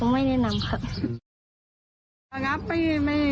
ไม่ครับบอกเลยผมไม่แนะนำครับ